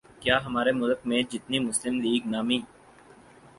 کیا ہمارے ملک میں جتنی مسلم لیگ نامی